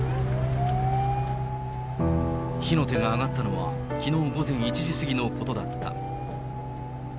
火の手が上がったのは、きのう午前１時過ぎのことだった。